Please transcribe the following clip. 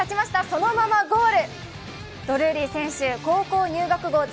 そのままゴール。